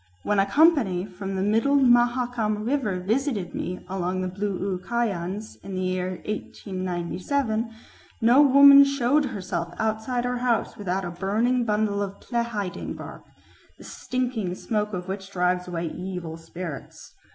When a company from the middle Mahakam River visited me among the Blu u Kayans in the year 1897, no woman showed herself outside her house without a burning bundle of plehiding bark, the stinking smoke of which drives away evil spirits."